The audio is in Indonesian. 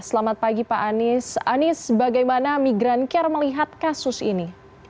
selamat pagi pak anies anies bagaimana migran care melihat kasus ini